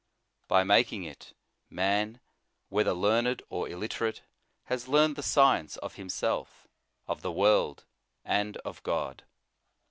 By making it, man, whether learned or illiterate, has learned the science of himself, of the world, and of God.